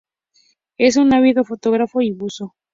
Es un ávido fotógrafo y buzo.